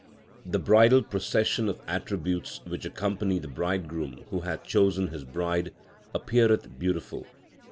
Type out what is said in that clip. The bridal procession of attributes which accompany the Bridegroom who hath chosen His bride, appeareth beautiful.